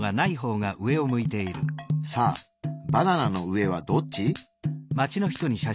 さあバナナの上はどっち？